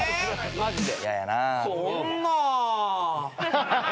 マジで。